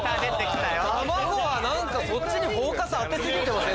「たまご」はそっちにフォーカス当て過ぎてません？